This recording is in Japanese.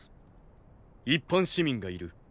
一般市民がいる。